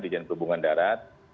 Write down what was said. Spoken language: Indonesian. dijen perhubungan darat